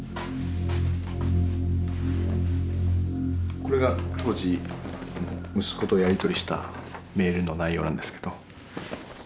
これが当時息子とやり取りしたメールの内容なんですけど。